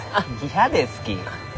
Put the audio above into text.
嫌ですき。